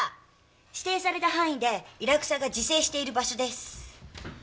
指定された範囲でイラクサが自生している場所です。